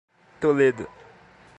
Toledo